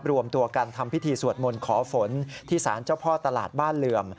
รวมตัวกันทำพิธีสวดมนต์ขอฝนที่สารเจ้าพ่อตลาดบ้านเหลื่อม